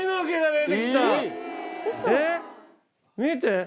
見て。